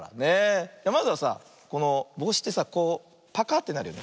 まずはさあこのぼうしってさこうパカッてなるよね。